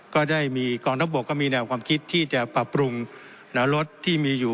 ก็ได้มีกองทัพบกก็มีแนวความคิดที่จะปรับปรุงรถที่มีอยู่